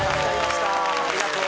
ありがとう。